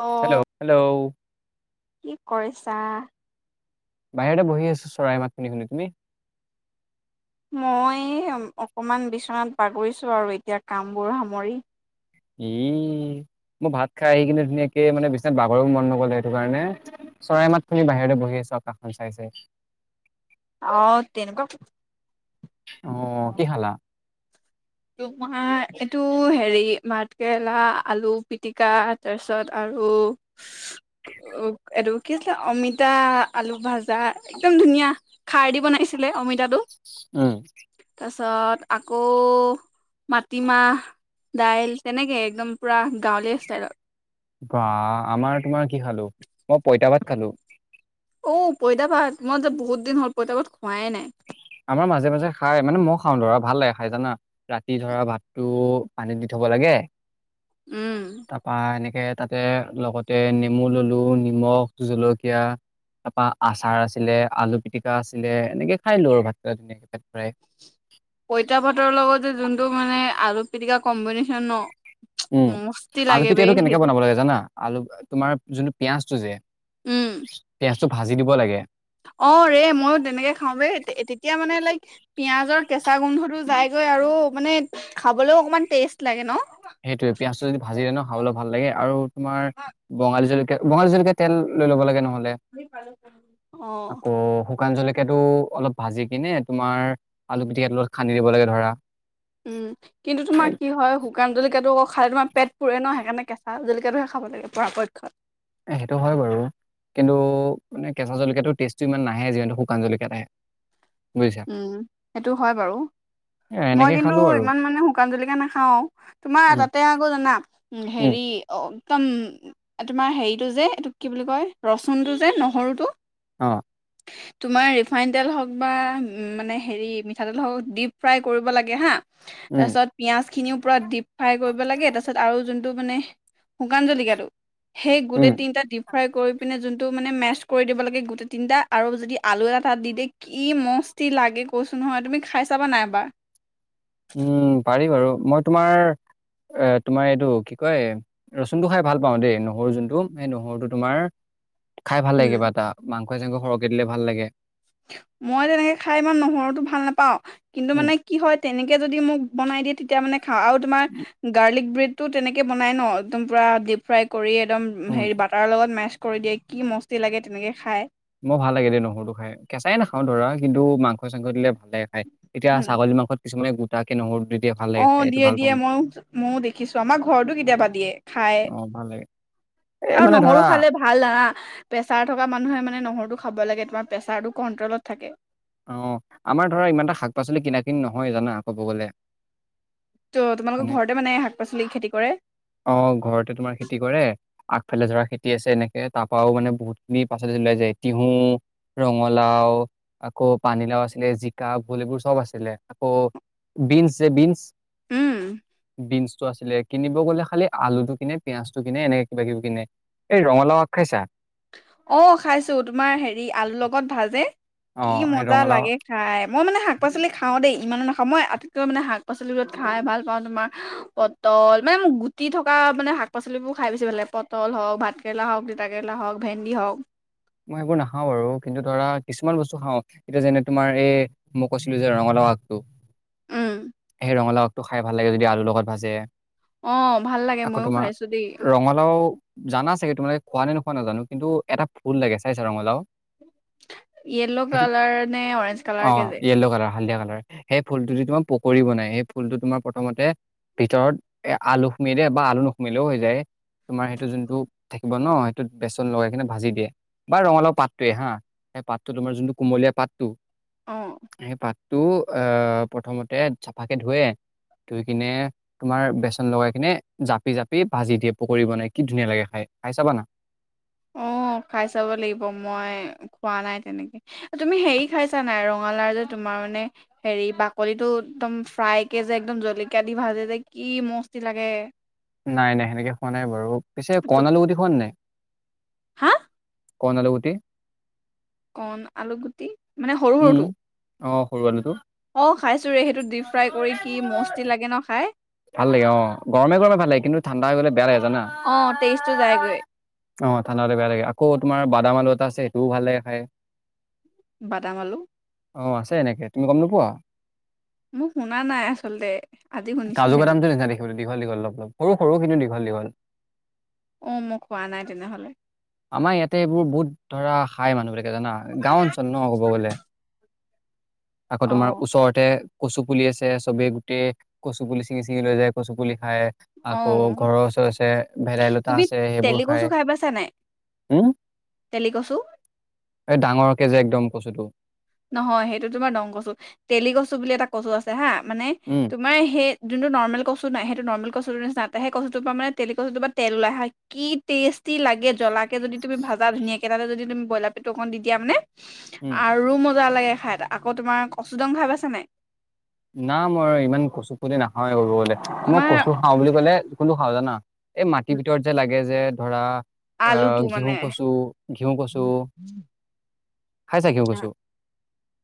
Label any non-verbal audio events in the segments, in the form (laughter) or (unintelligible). অ', hello hello. কি কৰিছা? বাহিৰতে বহি আছো চৰাই মাত শুনি শুনি, তুমি? মই অকমান বিচনাত বাগৰিছো আৰু এতিয়া কামবোৰ সামৰি। ই মই ভাত খাই আহি কিনে ধুনীয়াকে মানে বিচনাত বাগৰিব মন নগ'ল, সেইটো কাৰণে- চৰাই মাত শুনি বাহিৰতে বহি আছো আকাশখন চাই চাই। অঁ তেনেকুৱা- অঁ অঁ, কি খালা? তোমাৰ এইটো হেৰি‌ ভাঁতকেৰেলা, আলু পিটিকা তাৰপিছত আৰু- (inaudible) এইটো কি আছিলে অমিতা, আলু ভাঁজা একদম ধুনীয়া। খাৰ দি বনাইছিলে অমিতাটো। উম। তাছত আকৌ- মাটিমাহ, দাইল তেনেকে একদম পুৰা গাঁৱলীয়া ষ্টাইলত। বা, আমাৰ তোমাৰ কি খালো? মই পইতা ভাত খালো। অও' পইতা ভাত, মই যে বহুত দিন হ'ল পইতা ভাত খোৱাই নাই। আমাৰ মাজে মাজে খাই, মানে ময় খাওঁ ধৰা, ভাল লাগে খাই জানা। ৰাতি ধৰা ভাতটো পানীত দি থ'ব লাগে, - উম'। তাপা এনেকে তাতে লগতে নেমু ললো নিমখ, জলকীয়া- তাপা আচাৰ আছিলে, আলু পিটিকা আছিলে এনেকে খাই দিলো আৰু ভাতটো পেত ভৰাই। পঁইতা ভাতৰ লগতজে যোনটো মানে আলু পিটিকা কম্বিনেশ্যন ন- উম, মস্তি আলু লাগে বে পিটিকাটো কেনেকে সেইটো বনাব লাগে জানা? আলু তোমাৰ যোনটো পিয়াঁজটো যে, উম - পিয়াঁজটো ভাঁজি দিব লাগে। অ ৰে' ময়ো তেনেকে খাওঁ বে তেতিয়া মানে লাইক পিয়াজৰ কেঁচ- চা গোন্ধটো যাইগৈ আৰু মানে খাবলৈও অকমান টেষ্ট লাগে ন। সেইটোৱে, পিয়াঁজটো যদি ভাঁজি দিয়ে ন খাবলে ভাল লাগে, আৰু তোমাৰ বঙালী জলক- কীয়া বঙালী জলকীয়া তেল লৈ ল'ব লাগে নহ'লে, অ আকৌ- শুকান জলকীয়াটো অলপ ভাঁজি কিনে তোমাৰ আলু পিটিকাটো লগত সানি দিব লাগে ধৰা। উম। কিন্তু তোমাৰ কি হয়, শুকান জলকীয়াটো খাই তোমাৰ পেট পুৰে না সেইকাৰণ কেঁচা জলিকীয়াটোহে খাব লাগে। পৰাপক্ষত। এ সেইটো হয় বাৰু। কিন্তু মানে কেঁচা জলকীয়াটো টেষ্টটো ইমান নাহে, যিহেতু শুকান জলকীয়াত আহে। বুজিছা? উম সেইটো হয় বাৰু। এ মই এনেকে কিন্তু খালোঁ আৰু ইমান মানে শুকান জলকীয়া নাখাও, তোমাৰ উম, তাতে আকৌ জানা উম, হেৰি একদম তোমাৰ হেৰিটো যে এইটো কি বুলি কয় ৰচুনটো যে নহৰুটো অ। তোমাৰ ৰিফাইন তেল হওক বা উ মানে হেৰি মিঠাতেল হওক ডিপ ফ্ৰাই কৰিব লাগে হা, উম, তাৰপিছত পিঁয়াজ খিনিও পুৰা ডিপ ফ্ৰাই কৰিব লাগে তাৰপিছত আৰু যোনটো মানে শুকান জলকীয়াটো সেই উম, গোটেই তিনিটা দি ফ্ৰাই পিনে যোনটো মানে মেচ কৰি দিব লাগে গোটেই তিনিটা আৰু যদি আলু এটা দি দিয়ে কি মস্তি লাগে কৈছোঁ নহয়, তুমি খাই চাবা না এবাৰ। উম পাৰি বাৰু, মই তোমাৰ এ তোমাৰ এইটো কি কয় ৰচুনটো খাই ভাল পাওঁ দেই নহৰু যোনটো, সেই নহৰুটো তোমাৰ খাই ভাল উম লাগে কিবা এটা, মাংসই-চাংসই সৰহকে দিলে ভাল লাগে। মই তেনেকে খাই ইমান নহৰুটো ভাল নেপাওঁ। কিন্তু উম মানে কি হয়, তেনেকে যদি মোক বনাই দিয়ে তেতিয়া মানে খাওঁ। আৰু তোমাৰ গাৰ্লিক ব্ৰেডটো তেনেকে বনাই ন একদম পুৰা ডিপ ফ্ৰাই কৰি একদম উম হেৰি বাটাৰৰ লগত মেছ কৰি দিয়ে কি মস্তি লাগে তেনেকৈ খায়। মোৰ ভাল লাগে দে নহৰুটো খাই, কেঁচাই নাখাওঁ ধৰা কিন্তু মাংসই-চাংসই দিলে ভাল লাগে। এতিয়া ছাগলী মাংসত কিছুমানে গোটাকে নহৰুটো দি দিয়ে ভাল লাগে অ খাই এইটো দিয়ে ভাল পাওঁ দিয়ে মই মইও ময়ো দেখিছো আমাৰ ঘৰতো কেতিয়াবা দিয়ে খাই অ ভাল লাগে। এই আৰু মানে নহৰু ধৰা খালে ভাল লাগা, প্ৰেছাৰ থকা মানুহে মানে নহৰুটো খাব লাগে তোমাৰ প্ৰেছাৰটো কন্ট্ৰলত থাকে। অ আমাৰ ধৰা ইমান এটা শাক-পাচলি কিনা কিনি নহয় জানা কব গ'লে। ত তোমালোকৰ ঘৰতে মানে শাক-পাচলি খেতি কৰে। অ ঘৰতে তোমাৰ খেতি কৰে আগফালে ধৰা খেতি আছে এনেকে তাৰ পৰাও মানে বহুত খিনি পাচলি ওলাই যায় তিহু ৰঙালাও আকৌ পানীলাও আছিলে জিকা ভুল এইবোৰ চ'ব আছিলে। আকৌ বিনচ যে বিনচ উম বিনচটো আছিলে কিনিব গ'লে খালি আলুটো কিনে, পিয়য়াজটো কিনে এনেকে কিবা কিবি কিনে। এই ৰঙালাও আগ খাইছা? অ খাইছো তোমাৰ হেৰি আলুৰ লগত ভাজে, কি অ', এই মজা ৰঙালাও লাগে খাই। মই মানে শাক-পাচলি খাওঁ দেই ইমানো নাখাওঁ মই আটাইতকৈ মানে শাক-পাচলিবোৰ খাই ভাল পাওঁ তোমাৰ পটল, মানে মোক গুটি থকা মানে শাক-পাচলিবোৰ খাই বেছি ভাল লাগে, পটল হওক, ভাত কেৰেলা হওক, তিতা কেৰেলা, হওক ভেন্দি হওক, মই সেইবোৰ নাখাওঁ বাৰু কিন্তু ধৰা কিছুমান বস্তু খাওঁ এতিয়া যেনে তোমাৰ এই মই কৈছিলো যে ৰঙালাও আগটো উম। সেই ৰঙালাও আগটো খাই ভাল লাগে যদি আলুৰ লগত ভাজে। অ', ভাল লাগে আকৌ ময়ো তোমাৰ খাইছো দেই ৰঙলাউ জানা চাগে তোমালোকে খোৱানে নোখোৱা নাজানোঁ, কিন্তু এটা ফুল লাগে চাইছা ৰঙলাউ? য়েল্ল' সেইটো কালাৰ নে অৰেঞ্জ কালাৰ কে অ', যে য়েল্ল' কালাৰ, হালধীয়া কালাৰ। সেই ফুলটো দি তোমাৰ পকৰী বনাই, সেই ফুলটো তোমাৰ প্ৰথমতে ভিতৰত এ আলু সোমিয়াই দিয়ে বা আলু নুসোমিয়ালেও হৈ যায়। তোমাৰ সেইটো যোনটো থাকিব ন' সেইটোত বেচন লগাই কিনে ভাজি দিয়ে। বা ৰঙলাউ পাতটোৱে হা, সেই পাতটো তোমাৰ যোনটো কুমলীয়া পাতটো অ'। সেই পাতটো এ প্ৰথমতে চাফাকে ধুৱে, ধুই কিনে তোমাৰ বেচন লগাই কিনে জাপি, জাপি ভাজি দিয়ে পকৰি বনাই, কি ধুনীয়া লাগে খায়, খায় চাবা না। অ', খাই চাব লাগিব মই খোৱা নাই তেনেকে। এই তুমি হেৰি খাইছা নাই? ৰঙালাউ যে, তোমাৰ মানে হেৰি বাকলিটো একদম ফ্ৰাইকে যে, একদম জলকীয়া দি ভাজে যে, কি মস্তি লাগে। নাই, নাই সেনেকে খোৱা নাই বাৰু। পিছে কণ আলুগুটি খোৱানে নাই? হা? কণ আলুগুটি। কণ আলুগুট উম, অ', সৰু আলুটো। অ', খাইছোঁ ৰে, সেইটো ডিপ ফ্ৰাই কৰি কি মস্তি লাগে ন' খাই? ভাল লাগে অ', গৰমে, গৰমে ভাল লাগে কিন্তু ঠাণ্ডা হৈ গ'লে বেয়া লাগে জানা? অ', টেষ্টটো যায়গৈ (unintelligible) অ', ঠাণ্ডা হ'লে বেয়া লাগে, আকৌ তোমাৰ বাদাম আলু এটা আছে সেইটোও ভাল লাগে খায়। বাদাম আলু? অ', আছে এনেকে তুমি গ'ম নোপোৱা? মোৰ শুনা নাই আচলতে। আজি শুনিছো কাজু সেইটো। বাদামটো নিচিনা দেখিবলৈ দীঘল, দীঘল অলপ, অলপ সৰু, সৰু কিন্তু দীঘল, দীঘল। অ', মোক খোৱা নাই তেনেহ'লে। আমাৰ ইয়াতে এইবোৰ বহুত ধৰা খায় মানুহবিলাকে জানা গাওঁ অঞ্চল ন' ক'ব গ'লে। আকৌ তোমাৰ অ', ওচৰতে কচু পুলি আছে চ'বেই গোটেই কচু পুলি ছিঙি, ছিঙি লৈ যায় কচু পুলি খায়। আকৌ অ', ঘৰৰ ওচৰৰ আছে ভেদাইলতা তুমি আছে সেইবোৰ তেলি কচু খায়। তেলী কচু। এ, ডাঙৰকে যে, একদম কচুটো। নহয় সেইটো তোমাৰ দং কচু, তেলী কচু বুলি এটা কচু আছে হা মানে উম, তো মানে সেই, যোনটো নৰ্মেল কচু নাই সেইটো, নৰ্মেল কচুটো নিচিনা, তে সেই কচুটো পৰা তেলী কচুটোৰ পৰা তেল ওলাই হায় কি টেষ্টি লাগে জ্বলাকে যদি, তুমি ভাজা ধুনীয়াকে তাতে যদি, তুমি ব্ৰইলাৰ পেটো অকণ দি দিয়া মানে। উম। আৰু মজা লাগে খায় আকৌ তোমাৰ কচু দং খা‌য় পাইছানে নাই? না মই ইমান কচু পুলি নাখাৱেই ক'ব গ'লে মই তোমাৰ কচু খাওঁ বুলি ক'লে কোনটো খাওঁ জানা? এ মাটিৰ ভিতৰত যে, লাগে যে, ধৰা আ, আলুটো ঘিউ মানে কচু, ঘিউ কচু খাইছা ঘিউ কচু?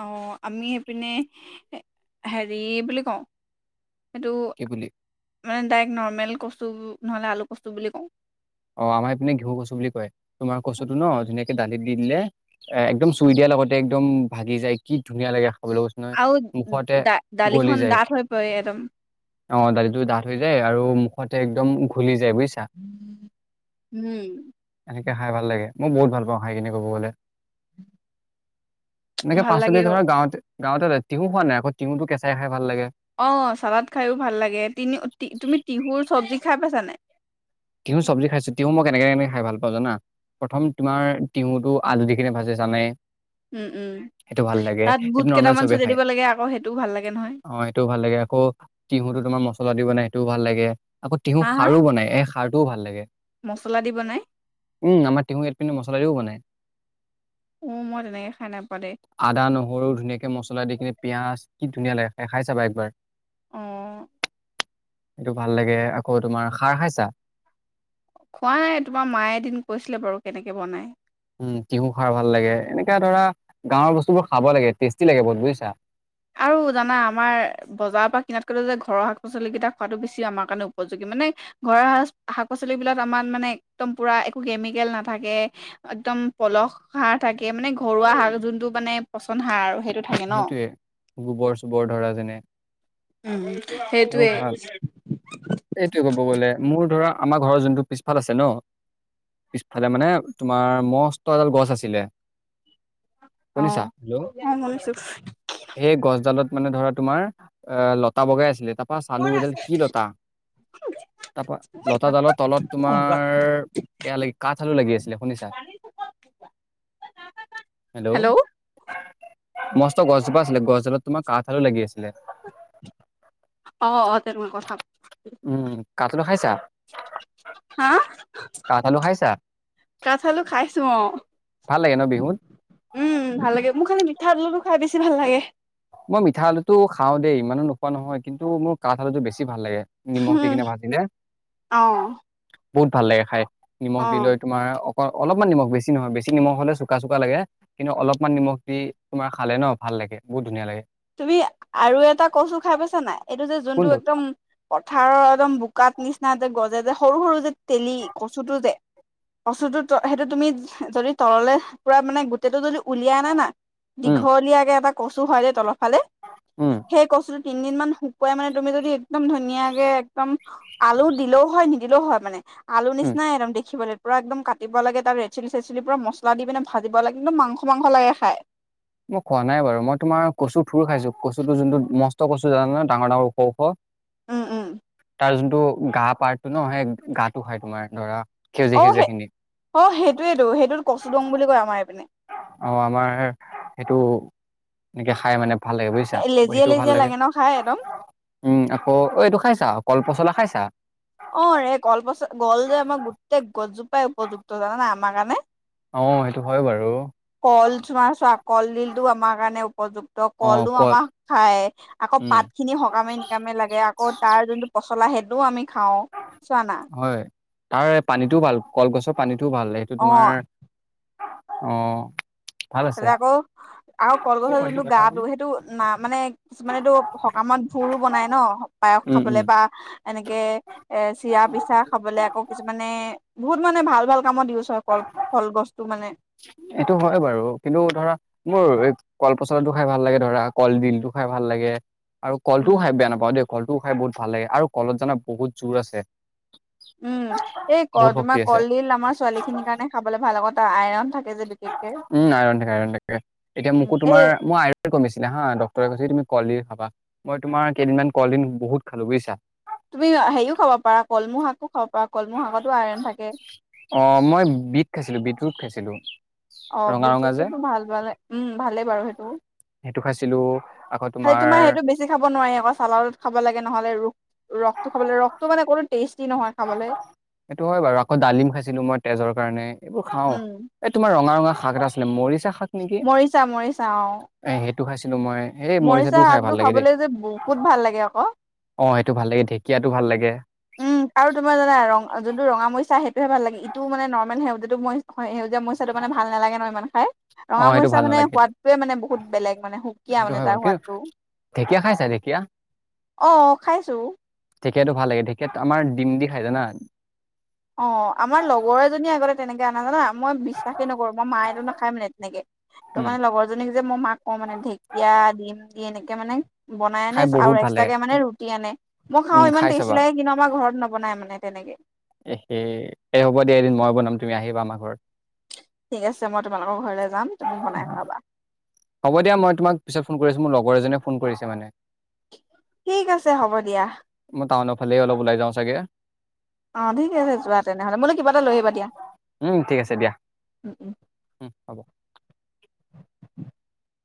অ', আমি এইপিনে হেৰি বুলি কওঁ এইটো কি বুলি? মানে ডাইৰেক নৰ্মেল কচু নহ'লে, আলু কচু বুলি কওঁ। অ', আমাৰ ইপিনে ঘিউ কচু বুলি কয়, তোমাৰ কচুটো ন' ধুনীয়াকে দালিত দি দিলে। এ, একদম চুই দিয়াৰ লগতে একদম ভাগি যায় কি ধুনীয়া লাগে খাবলৈ ব আৰু দা-ডালিখন ডাঠ হৈ পৰে এদম। অহ দালিতো ডাঠ হৈ যায় আৰু মুখতে একদম ঘুলি যায় বুজিছা। উম। এনেকে, খাই ভাল লাগে ম'ই বহুত ভাল পাওঁ খাই খিনি ক'ব গলে। এনেকে ভাল পাচলি লাগে অ ধৰা গাঁৱত গাঁৱতে তিহু খোৱা নাই আকৌ তিহুটো কেঁচাই খাই ভাল লাগে। অ চালাদ খাইও ভাল লাগে তিনি তুমি তিহুৰ চব্জি খাই পাইছা নাই তিহু চবজি খাইছো তিহু ম'ই কেনেকে কেনেকে খাই ভাল পাওঁ জানা প্ৰথম তোমাৰ তিহুটো আলু দি কিনে ভাজে জানায়ে। উম, উম। সেইটো ভাল লাগে তাত বুট সেইটো, নৰ্মেল কেইটামান চবে ছটিয়াই খায় দিব লাগে আকৌ সেইটোও ভাল লাগে নহয় অ, 'সেইটোও ভাল লাগে আকৌ তিহুটো তোমাৰ মছলা দি বনাই সেইটো ভাল লাগে। আকৌ তিহু হা হা খাৰো বনাই এই খাৰটোও ভাল লাগে। মছলা দি বনাই। উম আমাৰ তিহু এইপিনে মচলা দিও বনায়। উ ম'ই তেনেকে খাই নাই পোৱা দেই। আদা- নহৰু ধুনীয়াকে মছলা দি কিনে পিঁয়াজ কি ধুনীয়া লাগে খাই চাবা একবাৰ। অ এইটো ভাল লাগে আকৌ তোমাৰ খাৰ খাইছা খোৱা নাই তোমাৰ মায়ে এদিন, কৈছিলে বাৰু কেনেকে বনায়। উম তিহু খাৰ ভাল লাগে এনেকা ধৰা গাঁৱৰ বস্তু বোৰ খাব লাগে টেষ্টি লাগে বহুত বুজিছা। আৰু জানা আমাৰ বজাৰৰ পৰা কিনাতকো যে ঘৰৰ শাক- পাচলি কেইটা খোৱাটো বেছি আমাৰ কাৰণে উপযোগী মানে ঘৰৰ শাচ শাক -পাচলি বিলাক আমাৰ মানে একদম পুৰা একো কেমিকেল নাথাকে। একদম পলস সাৰ থাকে মানে ঘৰুৱা সাৰ যোনটো, মানে পচন সাৰ আৰু সেইটো থাকে ন সেইটোৱে গোবৰ -চোবৰ ধৰা যেনে উম সেইটোৱে। এইটোৱে, ক'ব গলে মোৰ ধৰা আমাৰ ঘৰ যোনটো, পিছফাল আছে ন- পিছফালে মানে তোমাৰ মস্ত এডাল গছ আছিলে। অ শুনিছা হেল্ল শুনিছো সেই, গছডালত মানে ধৰা তোমাৰ অ, 'লতা বগাই আছিলে তাৰপা চালো এডাল কি লতা তাৰপা লতাডালৰ তলত তোমাৰ এয়া, লাগি কাঠ আলু লাগি আছিলে শুনিছা হেল্ল মস্ত গছ এজোপা আছিলে গছডালত তোমাৰ কাঠ আলু লাগি আছিলে। অ অ তেনেকুৱা কথা উম, কাঠআলু খাইছা হা, কাঠ আলু খাইছা? কাঠআলু খাইছো অ'। ভাল লাগে ন বিহুত? উম ভাল লাগে। মোৰ খালি মিঠা আলুটো খাই বেছি ভাল লাগে। মই মিঠা আলুটো খাওঁ দেই, ইমানো নোখোৱা নহয়। কিন্তু মোৰ কাঠ আলুটো বেছি ভাল লাগে। নিমখ দি উম কিনে ভাজিলে, অ বহুত ভাল লাগে খাই। নিমখ দি অ লৈ তোমাৰ, অ অলপমান নিমখ বেছি নহয়। বেছি নিমখ হ'লে চোকা চোকা লাগে। কিন্তু অলপমান নিমখ দি তোমাৰ খালে ন ভাল লাগে। বহুত ধুনীয়া লাগে। তুমি আৰু এটা কচু খাই পাইছা নাই এইটো যে যোনটো কোনটো একদম, পথাৰৰ একদম বোকাত নিচিনা যে গজে যে সৰু সৰু যে তেলি কচুটো যে। কচুটো সেইটো তুমি যদি তললে পুৰা মানে গোটেইটো যদি, উলিয়াই আনা না উম দীঘলীয়াকে এটা কচু হয় দেই তলৰ ফালে উম সেই কচুটো তিনদিন মান শুকুৱাই মানে তুমি যদি একদম ধুনীয়াকে একদম আলু দিলেও হয় নিদিলেও হয় মানে আলু উম নিচিনাই একদম দেখিবলে পুৰা একদম কাটিব লাগে তাত ৰেডচিলি-চেডচিলি পুৰা মছলা দি পিনে ভাজিব লাগে। একদম মাংস মাংস লাগে খাই। মই খোৱা নাই বাৰু। মই তোমাৰ কচু থুৰ খাইছো। কচুটো যোনটো মষ্ট কচু জানা নে ডাঙৰ-ডাঙৰ ওখ-ওখ। উম উম তাৰ যোনটো গা পাৰটো ন সেই গাটো খাই তোমাৰ ধৰা। সেউজীয়া অ', সেউজীয়া সেই, খিনি অ', সেইটোৱেটো সেইটো কচু দং বুলি কয় আমাৰ এইপিনে। অ', আমাৰ সেইটো এনেকে খাই মানে। ভাল লাগে বুজিছা। লেজিয়া সেইটো ভাল লেজিয়া লাগে। ন খাই একদম উম আকৌ, অ' এইটো খাইছা কল-পচলা খাইছা? অ' ৰে কল পচলা, কল যে আমাৰ গোটেই গছজোপাই উপযুক্ত জানা নাই আমাৰ কাৰণে। অ'সেইটো হয় বাৰু। কল তোমাৰ চোৱা, কলডিলটো আমাৰ কাৰণে উপযুক্ত। ত' অ', কলটো কল আমাৰ খাই। আকৌ উম, পাতখিনি সকামে নিকামে লাগে। আকৌ তাৰ যোনটো পচলা সেইটোও আমি খাওঁ। চোৱা না হয়। তাৰ পানীটোও ভাল, কলগছৰ পানীটো ভাল। সেইটো অ তোমাৰ, অ', ভাল আছে। যে আকৌ আৰু কলগছৰ যোনটো গাটো সেইটো না মানে কিছুমান সকামত, ফুৰো বনাই ন পায়স উম, খাবলে উম, বা এনেকে। এ চিৰা-পিচা খাবলে আকৌ কিছুমানে বহুত মানে ভাল-ভাল কামত ইউচ হয় কল। কলগছটো মানে, এইটো হয় বাৰু। কিন্তু ধৰা, মোৰ কল-পচলাটো খাই ভাল লাগে। ধৰা কলডিলটো খাই ভাল লাগে। আৰু কলটোও উম খাই বেয়া নাপাওঁ দেই কলটোও খাই বহুত ভাল লাগে। আৰু কলত জানা বহুত জোৰ আছে। উম এই কল বহুত শক্তি তোমাৰ আছে কলডিল আমাৰ ছোৱালী খিনিৰ কাৰণে খাবলৈ ভাল আকৌ তাত আইৰন থাকে। যে বিশেষকে উম, আইৰণ থাকে, আইৰণ থাকে। এতিয়া উম মোকো এই তোমাৰ মই আইৰণ কমিছিলে হা ডক্টৰে কৈছে তুমি কলডিল খাবা। মই তোমাৰ কেইদিনমান কলডিল বহুত খালো বুজিছা। তুমি হেৰিও খাব পাৰা। কলমৌ শাকো খাব পাৰা। কলমৌ শাকতো আইৰণ থাকে। অ', মই বিট খাইছিলো। বিটৰুট খাইছিলো। অ' ৰঙা ৰঙা যে বিটৰুটোটো ভাল, ভালে উম ভালেই বাৰু সেইটো। সেইটো খাইছিলো। আকৌ তোমাৰ, হয় সেইটো বেছি খাব নোৱাৰি। আকৌ চালাদত খাব লাগে নহ'লে ৰস, ৰসটো খাব লাগে। ৰসটো মানে অকনো টেষ্টি নহয়। খাবলৈ সেইটো হয় বাৰু। আকৌ ডালিম খাইছিলো মই তেজৰ কাৰণে, এইবোৰ খাওঁ। উম এই তোমাৰ ৰঙা-ৰঙা শাক এটা আছিলে। মৰিছা শাক। মৰিছা, মৰিছা, অ',। এই সেইটো খাইছিলোঁ মই। এই মৰিচা মৰিছাটোও খাই ভাল শাকটো লাগে দেই। খাবলৈ যে বহুত ভাল লাগে আকৌ অ'সেইটো ভাল লাগে। ঢেকীয়াটো ভাল লাগে। উম, আৰু তোমাৰ জানা, ৰং যোনটো ৰঙা মৰিচা সেইটো তোহে ভাল লাগে, ইটো মানে নৰ্মেল সেউজতটো মই হয় মই টো মানে ভাল নালাগে ন ইমান খাই, অ ৰঙা সেইটো মৰিচাৰ ভাল মানে নালাগে সেইটো সোৱাদটয়োনে বহু বেলেগ মানে সুকীয়া সেইটো মানে হয় বাৰু তাৰ কিন্তু সোৱাদটো, ঢেকীয়া খাইছা ঢেকীয়া অ', খাইছোঁ। ঢেকীয়াটো ভাল লাগে, ঢেকীয়াত আমাৰ ডিম দি খায় জানা? অ', আমাৰ লগৰ এজনী আগতে তেনেকৈ আনে জানা? মই বিশ্বাসেই নকৰোঁ, মই মায়তো নাখায় মানে তেনেকৈ। ত' উম মানে লগৰজনীক যে মই মাক কওঁ, মানে ঢেকীয়া দিম দি এনেকে মানে বনাই আনে খাই বহুত আৰু ভাল লাগে এক্সট্ৰাকে মানে তুমি ৰুটি আনে, মই উম খাওঁ, খাই ইমান টেষ্টি চাবা লাগে, কিন্তু আমাৰ ঘৰত নবনাই মানে তেনেকে। এস এই, হ'ব দিয়া এদিন, মই বনাম তুমি আহিবা আমাৰ ঘৰত। ঠিক আছে মই তোমালোকৰ ঘৰলৈ যাম, তুমি বনাই খাবা। হ'ব দিয়া, মই তোমাক পিছত ফোন কৰি আছোঁ, মোৰ লগৰ এজনীয়ে ফোন কৰিছে মানে। ঠিক আছে, হ'ব দিয়া। মই টাউনৰ ফালেই অলপ ওলাই যাওঁ চাগে। অঁ, ঠিক আছে, যোৱা তেনেহ'লে, মোলৈ কিবা এটা লৈ আহিবা দিয়া। উম ঠিক আছে দিয়া, উম উম উম হ'ব। (inaudible)